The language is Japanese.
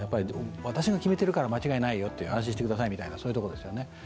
私が決めてるから間違いないよ、安心してくださいみたいなところですね。